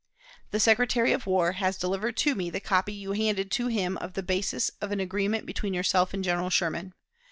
_ "The Secretary of War has delivered to me the copy you handed to him of the basis of an agreement between yourself and General Sherman.